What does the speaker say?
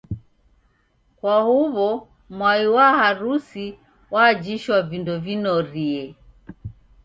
kwa huw'o mwai wa harusi wajishwa vindo vinorie.